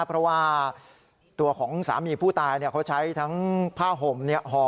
เพราะว่าตัวของสามีผู้ตายเขาใช้ทั้งผ้าห่มห่อ